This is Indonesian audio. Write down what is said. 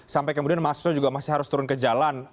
sampai kemudian mahasiswa juga masih harus turun ke jalan